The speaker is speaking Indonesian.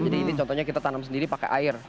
jadi ini contohnya kita tanam sendiri pakai air